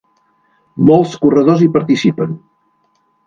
Molts corredors hi participen.